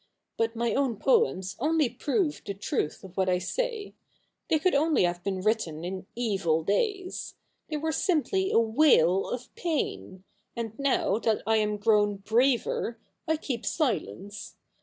But my own poems only prove the truth of what I say. They could only have been written in evil days. They were simply a wail of pain ; and now that I am grown braver, I keep silence.